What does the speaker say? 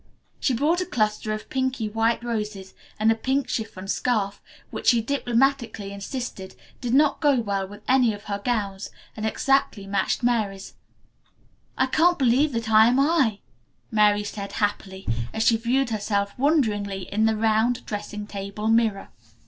She brought a cluster of pinky white roses and a pink chiffon scarf, which, she diplomatically insisted, did not go well with any of her gowns and exactly matched Mary's. "I can't believe that I am I," Mary said happily, as she viewed herself wonderingly in the round dressing table mirror.